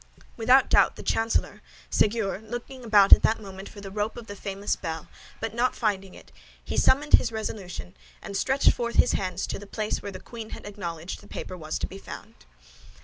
Without doubt the chancellor Séguier looked about at that moment for the rope of the famous bell; but not finding it he summoned his resolution, and stretched forth his hands toward the place where the queen had acknowledged the paper was to be found.